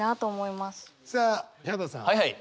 さあヒャダさん。